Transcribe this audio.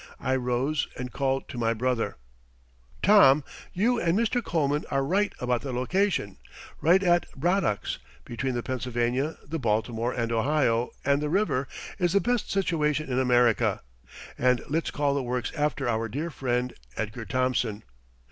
I rose and called to my brother: "Tom, you and Mr. Coleman are right about the location; right at Braddock's, between the Pennsylvania, the Baltimore and Ohio, and the river, is the best situation in America; and let's call the works after our dear friend Edgar Thomson.